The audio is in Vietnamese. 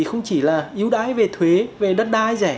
không chỉ là yếu đái về thuế về đất đai rẻ